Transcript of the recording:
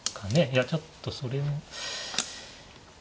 いやちょっとそれも。